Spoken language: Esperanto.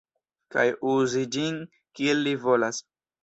Kaj uzi ĝin kiel li volas.